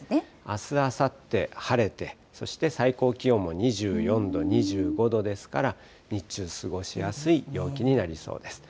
あす、あさって晴れてそして最高気温も２４度、２５度ですから、日中、過ごしやすい陽気になりそうです。